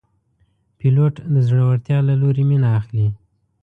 پیلوټ د زړورتیا له لورې مینه اخلي.